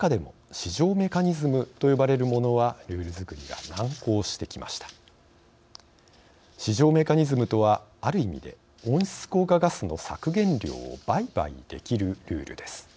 市場メカニズムとは、ある意味で温室効果ガスの削減量を売買できるルールです。